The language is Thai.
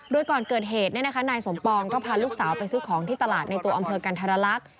โดยก่อนเกิดเหตุนายสมปองก็พาลูกสาวไปซื้อของที่ตลาดในตัวอำเภอกันธรรลักษณ์